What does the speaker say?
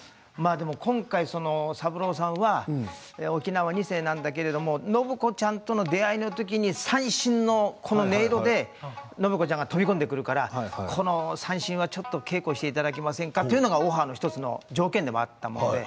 今回の三郎さんは沖縄二世なんだけれど暢子ちゃんとの出会いのときに三線の音色で暢子ちゃんが飛び込んでくるから三線を稽古していただけませんかというのがオファーの条件でした。